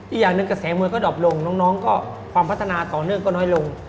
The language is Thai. อีกอย่างหนึ่งกระแสมวยก็ดอบลงน้องก็ความพัฒนาต่อเนื่องก็น้อยลง